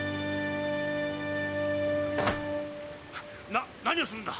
な何をするんだ！